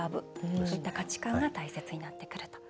そういった価値観が大切になってくると。